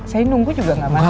saya nunggu juga nggak masalah